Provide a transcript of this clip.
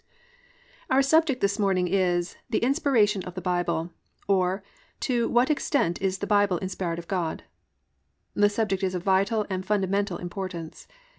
Our subject this morning is "The Inspiration of the Bible, or to What Extent Is the Bible Inspired of God?" The subject is of vital and fundamental importance.